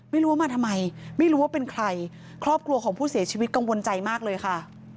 ไม่รู้ว่ามาทำไมไม่รู้ว่าเป็นใครครอบครัวของผู้เสียชีวิตกังวลใจมากเลยค่ะ